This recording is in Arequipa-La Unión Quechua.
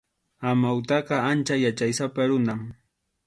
Amawtaqa ancha yachaysapa runam.